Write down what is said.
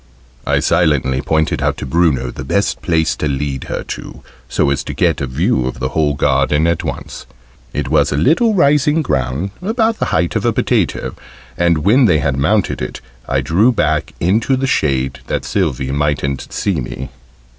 I silently pointed out to Bruno the best place to lead her to, so as to get a view of the whole garden at once: it was a little rising ground, about the height of a potato; and, when they had mounted it, I drew back into the shade, that Sylvie mightn't see me.